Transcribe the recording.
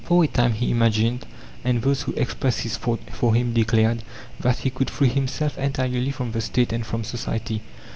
For a time he imagined, and those who expressed his thought for him declared, that he could free himself entirely from the State and from society.